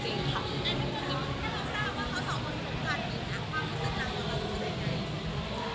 แล้วทุกคนรู้สึกว่าเขาสองคนทุกคนมีความสัญลักษณะในเรื่องรู้สึกได้ไง